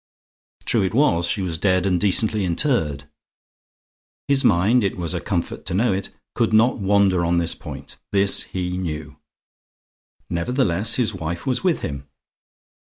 True it was, she was dead and decently interred. His mind it was a comfort to know it could not wander on this point; this he knew. Nevertheless, his wife was with him.